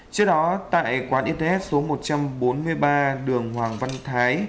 trước đó tại quán internet số một trăm bốn mươi ba đường hoàng văn thái